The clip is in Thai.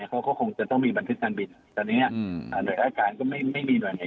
เขาก็คงจะต้องมีบันทึกการบินตอนนี้โดยอาการก็ไม่มีหน่วยงาน